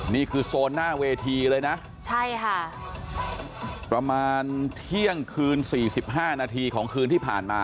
นี่คือโซนหน้าเวทีเลยนะใช่ค่ะประมาณเที่ยงคืน๔๕นาทีของคืนที่ผ่านมา